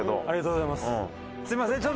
ありがとうございます。